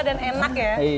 sederhana dan enak ya iya